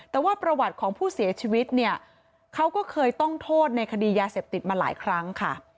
แต่ว่าประวัติของผู้เสียชีวิตเนี่ยเขาก็เคยต้องโทษในคดียาเสพติดมาหลายครั้งค่ะ